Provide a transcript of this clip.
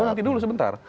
nanti dulu sebentar